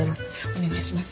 お願いします。